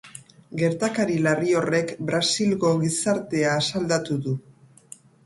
Gertakari larri horrek brasilgo gizartea asaldatu du.